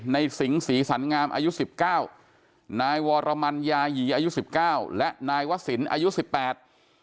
สิงศรีสันงามอายุสิบเก้านายวรมันยาหยีอายุสิบเก้าและนายวศิลป์อายุสิบแปด